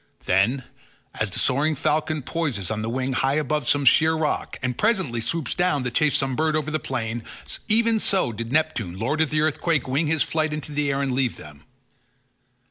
Then, as the soaring falcon poises on the wing high above some sheer rock, and presently swoops down to chase some bird over the plain, even so did Neptune lord of the earthquake wing his flight into the air and leave them.